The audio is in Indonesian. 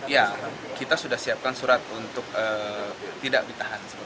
ya kita sudah siapkan surat untuk tidak ditahan